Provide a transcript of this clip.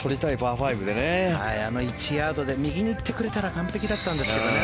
あの１ヤードで右に行ってくれたら完璧だったんですけどね